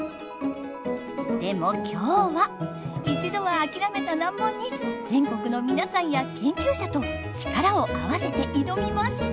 でも今日は一度はあきらめた難問に全国のみなさんや研究者と力を合わせて挑みます！